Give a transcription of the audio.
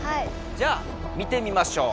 じゃあ見てみましょう。